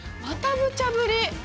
またむちゃぶり！